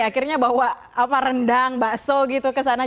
akhirnya bawa rendang bakso gitu ke sana